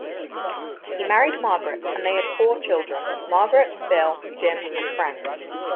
He married Margaret and they had four children Margaret, Bill, Jim and Frank.